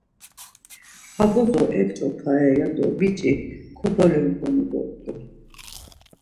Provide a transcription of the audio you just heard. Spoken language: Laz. Ha bozo ep̌ç̌opare ya do biç̌ik kodolingonu dort̆u.